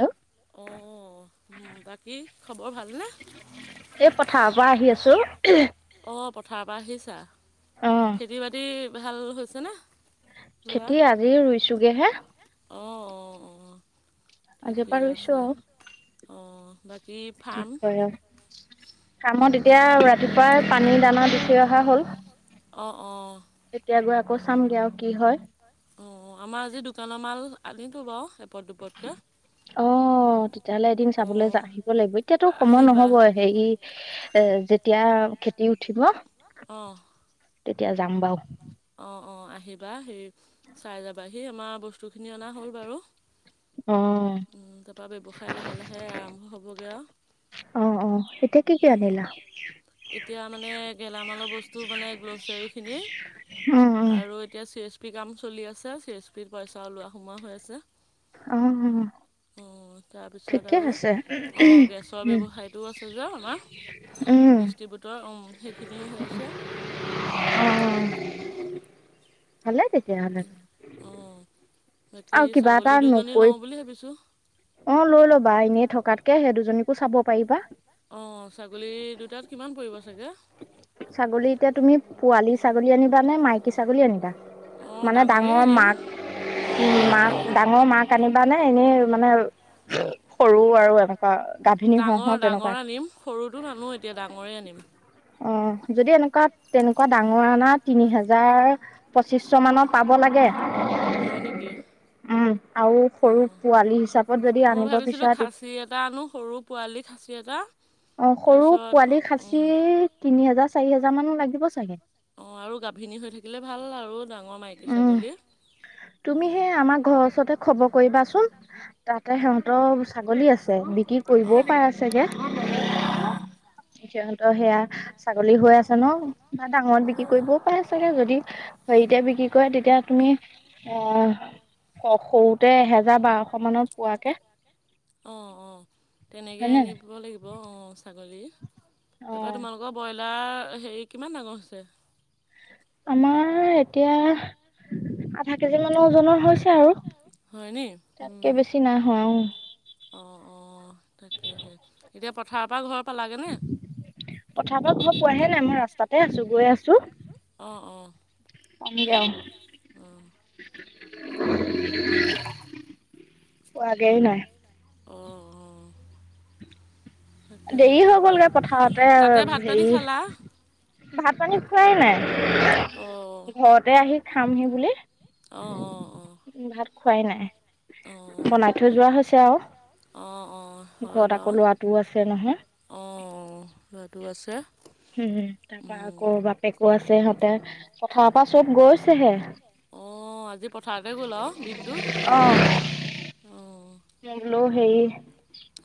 Hello উম, বাকী খবৰ ভাল না? এই পথাৰৰ পৰা আহি আছোঁ। অ', পথাৰৰ পৰা আহিছা, খেতি বাতি ভাল হৈছে নে? খেতি আজি ৰুইছোগে হে। অ', অ', অ', ঠিকে আছে অ', বাকী ফাৰ্ম? ৰ্ফামত এতিয়া ৰাতিপুৱাই পানী দানা দি থৈ অহা হ'ল। অঁ, অঁ। তেতিয়া গৈ আকৌ চামগে আৰু কি হয়। অ' আমাৰ আজি দোকানৰ মাল আনিতো বাৰু এপদ দুপদ অ' তেতিয়াহ'লে এদিন চাবলৈ আহিব লাগিব, এতিয়াতো সময় নহ'ব। হেৰি এ যেতিয়া খেতি উঠিব অঁ। তেতিয়া যাম বাৰু। অ', অ' আহিবা সেই চাই যাবা হি আমাৰ বস্তুখিনি অনা হ'ল বাৰু। অ'। তাৰপৰা ব্যৱসায় লাহে লাহে আৰম্ভ হ'বগৈ আৰু। অ' এতিয়া কি কি আনিলা? এতিয়া মানে গেলামালৰ বস্তু মানে গ্ৰ'চাৰীখিনি অ', অ'। আৰু এতিয়া চি এছ পি কাম চলি আছে চি এছ পিত পইচাও লোৱা সোমোৱা হৈ আছে। উম। অঁ তাৰপিছত আৰু, অঁ গেছৰ ব্যৱসায়টোও আছে যে আমাৰ। ডিষ্টিবুটৰ উম, সেইখিনিও হৈ আছে। অ'। ভালেই দেখোন। অ' বাকী ছাগলী দুজনী লওঁ বুলি ভাবিছোঁ। অ' লৈ ল'বা এনেই থকাতকে সেই দুজনীকো চাব পাৰিবা। অঁ ছাগলী দুটাত কিমান পৰিব চাগে? ছাগলী এতিয়া তুমি পোৱালী ছাগলী আনিবা নে মাইকী ছাগলী আনিবা মানে ডাঙৰ মাক? উ মাক ডাঙৰ মাক আনিবানে এনেই মানে সৰু আৰু এনেকুৱা গাভিনী হওঁ হওঁ তেনেকুৱা অ' যদি এনেকুৱা তেনেকুৱা ডাঙৰ অনা তিনি হোজাৰ পঁচিছশ মানত পাব লাগে। হয় নেকি? অ' মই ভাবিছিলো খচ চী এটা আনো সৰু পোৱালি খাচী এটা। অঁ সৰু পোৱালি খাচী তিনি হেজাৰ চাৰি হেজাৰমান লাগিব চাগৈ? অ' আৰু গাভিনী হৈ থাকিলে ভাল আৰু। ডাঙৰ উম, তুমি সেই আমাৰ ঘৰৰ ওচৰতে খবৰ কৰিবাচোন তাতে সিহঁতৰ ছাগলী আছে। বিক্ৰী কৰিবও পাৰা চাগে, সিহ'তৰ সেয়া ছাগলী হৈ আছে ন, বা ডাঙৰ বিক্ৰী কৰিবও পাই চাগে, যদি হেৰিতে বিক্ৰী কৰে তেতিয়া তুমি, অ' সৰুতে এহেজাৰ বাৰশ মানত পোৱাকে অ', অ' তেনেকে আনিবিব লাগিব। অঁ, অঁ ছাগলী, তাৰপৰা তোমালোকৰ ব্ৰইলাৰ হেৰি কিমান ডাঙৰ হৈছে? আমাৰ এতিয়া আধা কেজি মানৰ ওজনৰ হৈছে আৰু তাতকে বেছি নাই হোৱা অ'। অ', অ' তাকেহে, এতিয়া পথাৰৰ পৰা ঘৰ পথাৰ পৰা ঘৰ পোৱাহিয়ে নাই মই ৰাস্তাতে আছো গৈ আছো। অঁ অঁ। পান যও [unintelligible] পোৱাগেই নাই। অঁ'। দেৰি হৈ গ'লগৈ পথাৰতে, হেৰি ভাত পানী খোৱাই নাই, ঘৰতে আহি খামহি বুলি। অ' অ' অ'। ভাত খোৱাই নাই, বনাই থৈ যোৱা হৈছে আৰু। ঘৰত আকৌ ল'ৰাটোও আছে নহয়। অ' ল'ৰাটো আছে। উম, তাৰ পৰা আকৌ বাপেকো আছে, সিহঁতে। অ', আজি পথাৰতে গ'ল আৰু দিনটো। অঁ। মই বোলো হেৰি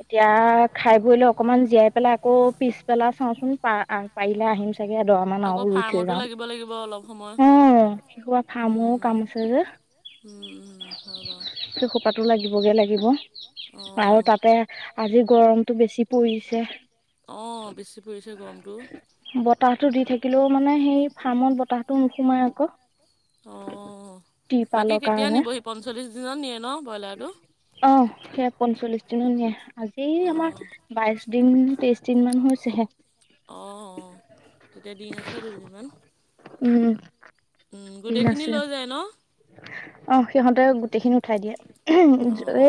এতিয়া খাই বৈ লৈ, অকমান জীয়াই পেলাই আকৌ পিছবেলা চাওঁচোন, প পাৰিলে আহিম চাগে, এদৰা মান আৰু ৰুই থৈ যাাম। কাম আছে যে, সেই সোপাতো লাগিবগে লাগে। আৰু তাতে, আজি গৰমতটো বেছি পৰিছে। অ', বেছি পৰিছে গৰমটো। কিন্তু মানে সেই, ফাৰ্মত বতাহটো নোসোমাই আকৌ। অঁ, বাকী কেতিয়া নিবহি পঞ্চল্লিছ দিনত নিয়েহি ন' ব্ৰইলাৰটো। অ', সেই পঞ্চল্লিশ দিনত নিয়ে, আজি আমাৰ বাইশ দিন তেইশ দিনমান হৈছেহে। অঁঁ, তেতিয়া দিন আছে দুদিনমান। উম। গোটেইখিনি লৈ যায় ন'। অ', সিহঁতে গোটেইখিনি উঠাই দিয়ে,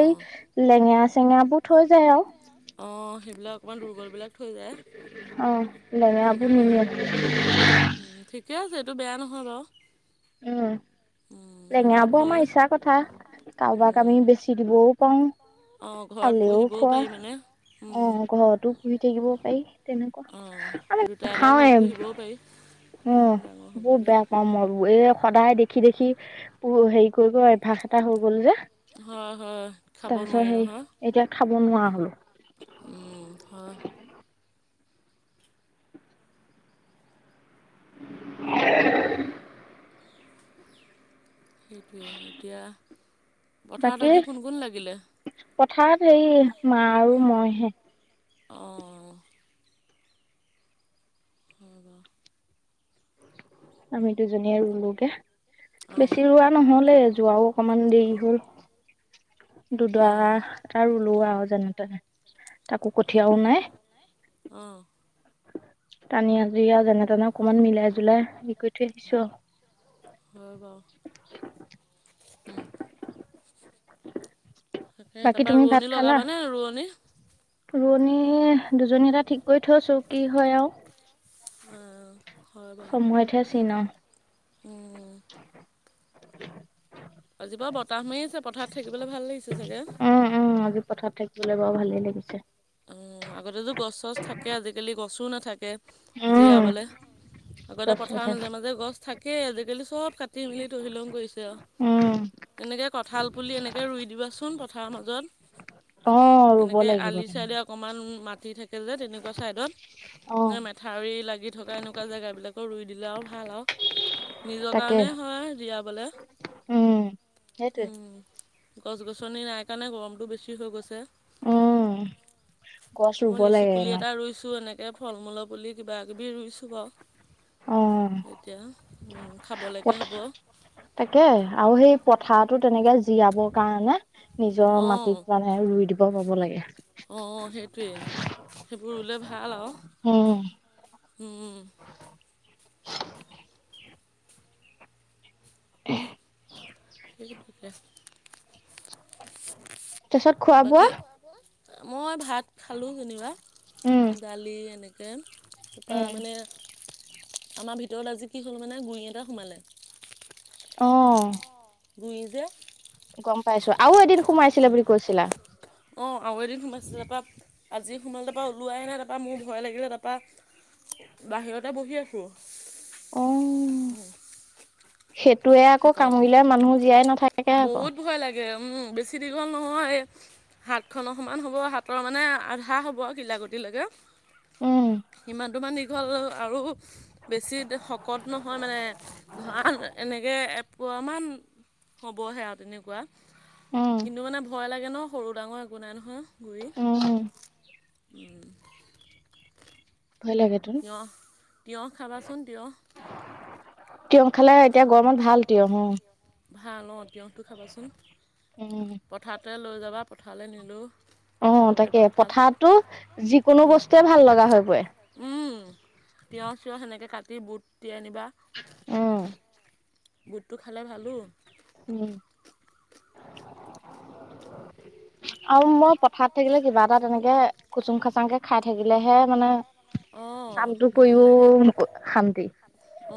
এই লেঙেৰা, চেঙেবোৰ অ', সেইবিলাক অকণমান দুৰ্বলবিলাক থৈ যায়। অ', লেঙেৰা বোৰ নিনিয়ে। ঠিকে আছে, এইটো বেয়া নহয় বাৰু। উম, লেঙৰা বোৰ আমাৰ ইচ্ছাৰ কথা। কাৰোবাক আমি বেছি দিবও পাৰোঁ খোৱা, অ', ঘৰতো পুহি থাকিব পাৰি। তেনেকুৱা, আমি খাওঁৱে, অ', বহুত বেয়া। এই সদায় দেখি, দেখি হেৰি কৰিব অভ্যাস এটা হৈ গ'ল যে, তাৰপিছত সেই এতিয়া খাব নোৱাৰা হ'লো। উম, হয়। [inaudible] সেইটোৱে, এতিয়া বাকী, পথাৰত হেৰি মা আৰু মইহে। অঁ। হ'ব। আমি দুজনীয়ে ৰুলোগে, বেছি ৰুৱা নহ'লেই, যোৱাও অকণমান দেৰি হ'ল। দুডৰা ত আৰু ৰুলোৱা আৰু যেনেতে অ, অ, টানি আজি আ যেনে দানা অকনমান মিলাই জলাই হেৰি কৰি থৈ আহিছো আৰু। উম, তাকে তাৰাপৰা ৰোৱনী লগাবানে ৰোৱনী? ৰোৱণি দুজনী এটা ঠিক কৰি থৈছো কি হয় আৰু। আহ, সময়তহে চিন অ। উম। [inaudible] আজি বাৰু বতাহ মাৰি আছে পথাৰত থাকিবলৈ ভাল লাগিছে চাগে। উম উম আজি পথাৰ থাক বলে ভালে লাগিছে। অ আগতেতো গছ চছ থাকে আজিকালি গছো নাথাকে। জিৰাবলে। আগতে পথাৰ মাজে-মাজে গছ থাকেই আজিকালি চব কাটি মেলি তহিলং কৰিছে আৰু। উম, এনেকৈ কঁঠাল পুলি এনেকে ৰুই দিবাচোন পথাৰৰ মাজত। অ, ৰুব লাগিব তেনে অকমান মাটি থাকেজে তেনেকুৱা চাইটত নে মাইট থাউৰি লাগি থকা এনেকুৱা জেগাবিলাকো ৰুই দিলে আৰু ভাল আৰু। নিজৰ কাৰণে হয় জিৰা বলে, উম গছ গছনি নাই কাৰণে গৰমটো বেছি হৈ গৈছে। উম, মই লিচু পুলি এটা ৰুইছো এনেকে ফল মূলৰ পুলি কিবা কিবি ৰুইছো বাৰু। এতিয়া উম, খাবলৈকে হ'ব। তাকে আৰু সেই পথাৰতো তেনেকে জীয়াবৰ কাৰণে নিজৰ মাটিত মানে ৰুই দিব পাব লাগে। অ, সেইটোৱেই সেইবোৰ ৰুলে ভাল আৰু। উম, [inaudible] ঠিক আছে। [inaudible] বাকী মই ভাত খালোঁ যেনিবা দালি এনেকে কে তাৰপৰা মানে আমাৰ ভিতৰত আজি কি হ'ল মানে গুই এটা সোমালে। অ', গুই যে গম পাইছো আৰু এদিন অহ, অ, আৰু এদিন সোমাইছিলে তাৰপৰা আজি সোমালে তাৰপৰা ওলোৱাই নাই তাৰপৰা মোৰ ভয় লাগিলে তাৰপৰা বাহিৰতে বহি আছো। সেইটোৱে আকৌ কামুৰিলে মানুহ জীয়াই নাথাকে আকৌ। এ বেছি দীঘল নহয়। হাত খন সমান হ'ব হাতৰ মানে আধা হ'ব আৰু কিলাকুতি লৈকে। সিমানটো মান। হল আৰু বেছি শকত নহয় মানে ধৰা এনে এ এপোৱামান হ'বহে আৰু তেনেকুৱা কিন্তু মানে ভয় লাগে ন'। সৰু ডাঙৰ একো নাই নহয় গুৰি উম, হুম, উম, ভয় লাগে তিয়ঁহ - তিয়ঁহ খাবাচোন তিয়ঁহ তিয়হ খালে এতিয়া গৰমত ভাল তিয়হ, ভাল অ', তিঁয়হটো খাবাচোন পথাৰতে লৈ যাবা পথাৰলৈ নিলোঁ অ', তাকে পথাৰতটো যিকোনো বস্তুৱে ভাল লগা হৈ পৰে উম, তিয়ঁহ চিয়হ সেনেকে কাটি বুট তিয়াই নিবা অ', বুটটো খালে ভালো উম, আৰু মই পথাৰত থাকিলে কিবা এটা তেনেকে খুচুং খাচাং কে খাই থাকিলেহে মানে কামটো কৰিও শান্তি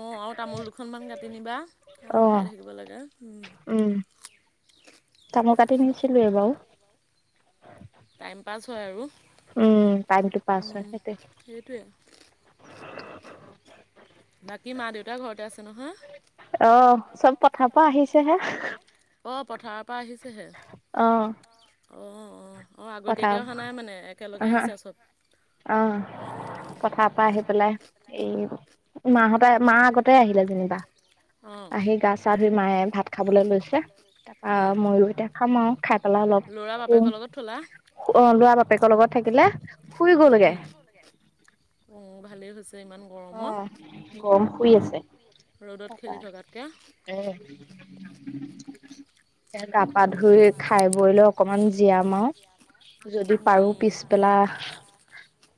অ', আৰু তামোল দুখনমান কাটি নিবা অ', উম, টামুল কাটি নিছিলোয়ে বাৰু টাইম পাছ হয় আৰু উম, সেইটোৱে বাকী মা দেউতাৰ ঘৰতে আছে নহয়? অ', চব পথাৰ পৰা আহিছেহে অ', পথাৰৰ পৰা আহিছেহে অ', অ', অ', আগতীয়াকৈ অহা নাই মানে একেলগে আহিছে চব অ', পথাৰ পৰা আহি পেলাই এই মাহতে মা আগতে আহিলে যেনিবা আহি গা চা ধুই মায়ে ভাত খাবলৈ লৈছে তাৰপৰা ময়ো এতিয়া খাম আৰু খাই পেলাই অলপ শুম অ', লৰা বাপেকৰ লগত থাকিলে শুই গ'লগে উম, ভালেই হৈছে ইমান অ', গৰম শুই আছে তাপা উম, গাপা ধুই খাই বই লৈ অকনমান জীয়াম আৰো যদি পাৰো পিছ বেলা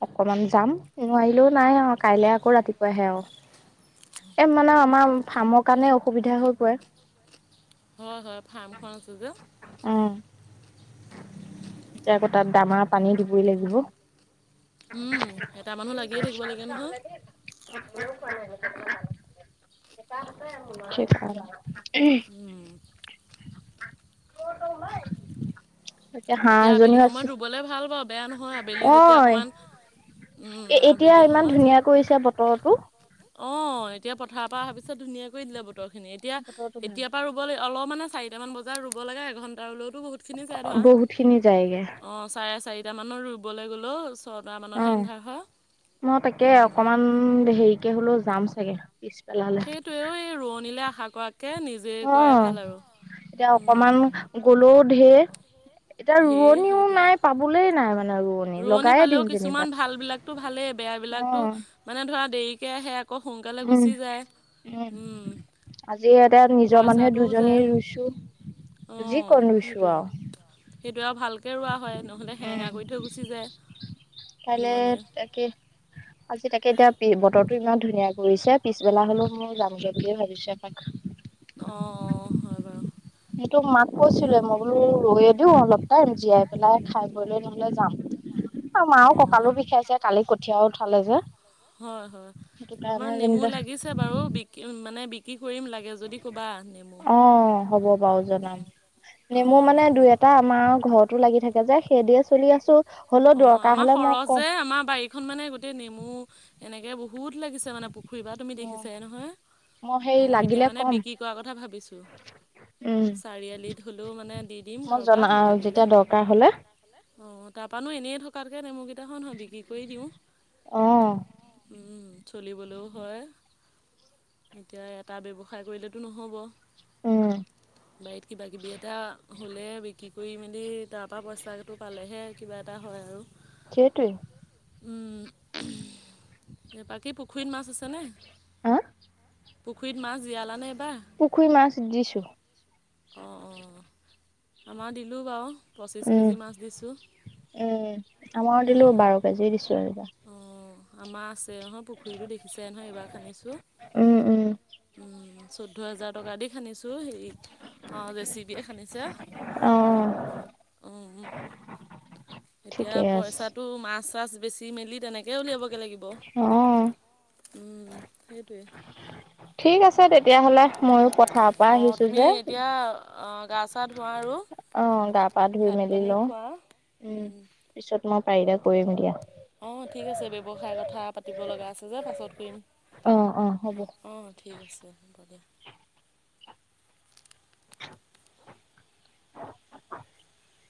অকমান যাম নোৱাৰিলেও নাই আৰু কাইলে আকৌ ৰাতিপুৱাহে আৰু এ মানে আমাৰ ফাৰ্মৰ কাৰণে অসুবিধা হৈ পৰে হয় - হয়, ফাৰ্মখন আছে যে এতিয়া আকৌ তাত দানা পানী দিবই লাগিব উম, এটা মানুহ লাগিয়ে থাকিব লাগে নহয় [unintelligible] উম, [inaudible] এতিয়া আবেলি সময়ত ৰুবলৈ ভাল বাৰু বেয়া নহয় আবেলি যেতিয়া অকণমান উম, আবেলি সময়ত অ', এতিয়া পথাৰৰ পৰা অহা পিছত ধুনীয়া কৰি দিলে বতৰ খিনি, এতিয়া এতিয়া পৰা অলপ মানে চাৰিটা মান বজাত ৰুব লাগে এঘন্টা ৰুলেওটো বহুত বহুত খিনি জায়গে। অ' চাৰে চাৰিটামানত ৰুবলৈ গ'লো। অ' মই তাকে, অকমান হেৰিকে হ'লেও যাম চাগে। পিছবেলালে। এই ৰোৱনীলৈ আশা কৰাতকে নিজ কৰাই ভাল আৰু। ধেৰ সেইটোৱে, ৰোৱনী পালেও কিছুমান ভাল বিলাক টো ভালেই, বেয়াবিলাকতো মানে ধৰা দেৰিকৈ আহে, আকৌ সোনকালে গুচি যায়। উম, আজি এতিয়া নিজৰ মানুহে দুজনী ৰুইছো। যি কন ৰুইছো আৰু। সেইটোৱে আৰু, ভালকৈ ৰোৱা হয়, নহ'লে হেৰেঙা কৰি থৈ গুচি যায় ৰোৱনীয়ে। তাকে। [unintelligible] আজি তাকে এতিয়া বতৰটো ইমান ধুনীয়া কৰিছে, পিছবেলা হ'লেও মই যামগে বুলিয়ে ভাবিছোঁ এপাক। অ', অ' হয় বাৰু। সেইটোক মাক কৈছিলে মই আৰু ৰৈয়ে দিও অলপ টাইম, জীয়াই পেলাই খাই বৈ লৈ নহ'লে যাম। মাও কঁকালো বিষাইছে, কালি কঠিয়াও উঠালে যে। সেই কাৰণে যেনিবা। বাৰু বিক, মানে বিক্ৰী কৰিম লাগে লাগে যদি ক'বা, নেমু অ' নেমু আমাৰ ঘৰতো লাগি থাকে যে, সেইদিয়ে চলি আছো। অ' আমাৰ সৰহ যে আমাৰ বাৰী এইখন মানে গোটেই নেমু, এনেকে বহুত লাগিছে মানে ফুৰিবা তুমি দেখিছায়ে নহয়, অঁ', এতিয়া মানে বিক্ৰী কৰা কথা ভাবিছোঁ। চাৰিআলিত হ'লেও মানে দি দিম কাৰোবাক লাগিলে। অ' তাৰপৰানো এনেই থকাতকে, নেমু কেইটানো হয় বিক্ৰী কৰি দিওঁ। উম, চলিবলৈও হয়। এতিয়া এটা ব্যৱসায় কৰিলেটো নহ'ব। বাৰীত কিবা, কিবি এটা হ'লে বিক কৰি মেলি তাৰপৰা পইচাটো পালেহে কিবা এটা হয় আৰু। সেইটোৱে। বাকী পুখুৰীত মাছ আছেনে? পুখুৰীত মাছ জীয়ালাানে এইবাৰ? অঁ', অঁ' আমাৰ দিলোঁ বাৰু, পঁচিছ কেজি মাছ দিছোঁ। উম, আমাৰ দিলো বাৰ কেজি দিছোঁ এইবাৰ। অঁ' আমাৰ আছে নহয়, পুখুৰীটো দেখিছাই নহয়, এইবাৰ খান্দিছোঁ। উম, চৈধ্য হাজাৰ টকা দি খান্দিছোঁ, হেৰি অ' জেচিবিয়ে খান্দিছে, উম'। এতিয়া পইচাটো মাছ-চাছ বেছি মেলি তেনেকেই উলিয়াবগৈ লাগিব। উম, সেইটোৱে। ঠিক আছে তেতিয়াহ'লে, মইয়ো পথাৰ পৰা আহিছোঁ যে। অঁ' গা চা ধােৱা আৰু। অ', গা পা ধুই মেলি লওঁ, উম, পিছত মই পাৰিলে কৰিম দিয়া। অ' ঠিক আছে ব্যৱসায় কথা পাতিব লগা আছে যে, পাছত কৰিম অ', অ'। ঠিক আছে হ'ব দিয়া। [unintelligible]